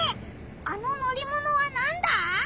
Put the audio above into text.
あの乗りものはなんだ？